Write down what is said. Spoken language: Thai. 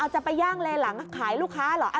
จะไปย่างเลหลังขายลูกค้าเหรอ